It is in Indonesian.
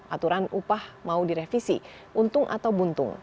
aturan upah mau direvisi untung atau buntung